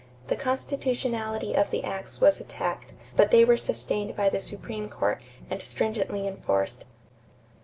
The constitutionality of the acts was attacked; but they were sustained by the Supreme Court and stringently enforced.